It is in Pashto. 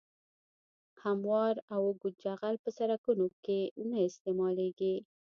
هموار او اوږد جغل په سرکونو کې نه استعمالیږي